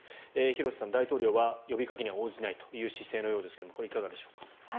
廣瀬さん大統領は呼びかけには応じないという姿勢のようですがいかがでしょうか。